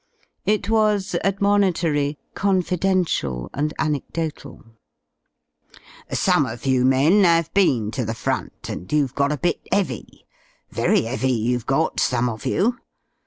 It was admonitory, confidential, and anecdotal: Some of you men^ 'ave been to the Front, andyou*ve got a bit *eavy — very *eavy you^ve got, some of you.